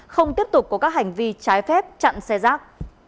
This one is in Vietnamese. không tiếp tục có các hành vi trái phép chặn xe rác